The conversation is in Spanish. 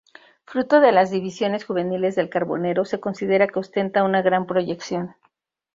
Fruto de las divisiones juveniles del Carbonero, se considera que ostenta una gran proyección.